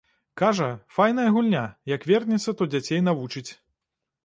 Кажа, файная гульня, як вернецца то дзяцей навучыць.